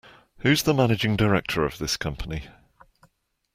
Who's the managing director of this company?